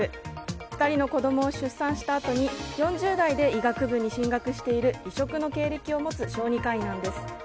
２人の子供を出産したあとに４０代で医学部に進学している異色の経歴を持つ小児科医なんです。